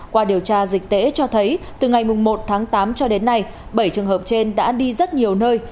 qua điều tra dịch tễ cho thấy từ ngày một tháng tám cho đến nay bảy trường hợp trên đã đi rất nhiều nơi